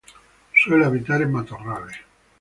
Suele habitar en matorrales.